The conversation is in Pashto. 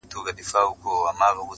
نور به نه اورې ژړا د ماشومانو!.